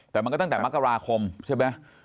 แต่มันก็ตั้งแต่มกราคมใช่ไหม